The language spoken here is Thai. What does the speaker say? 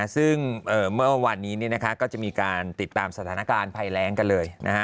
ซึ่งเมื่อวันนี้ก็จะมีการติดตามสถานการณ์ภัยแรงกันเลย